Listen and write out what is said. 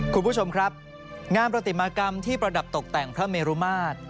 คุณผู้ชมครับงานประติมากรรมที่ประดับตกแต่งพระเมรุมาตร